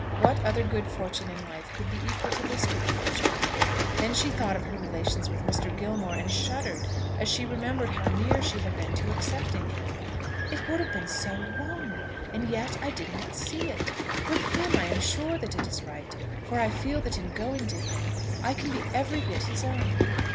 What other good fortune in life could be equal to this good fortune? Then she thought of her relations with Mr. Gilmore, and shuddered as she remembered how near she had been to accepting him. "It would have been so wrong. And yet I did not see it! With him I am sure that it is right, for I feel that in going to him I can be every bit his own."